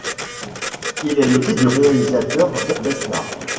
Il est le fils du réalisateur Jacques Besnard.